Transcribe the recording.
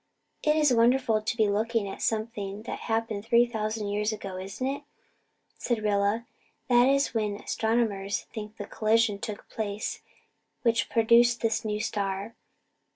"It's wonderful to be looking at something that happened three thousand years ago, isn't it?" said Rilla. "That is when astronomers think the collision took place which produced this new star.